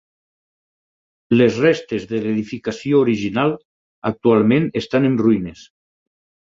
Les restes de l’edificació original actualment estan en ruïnes.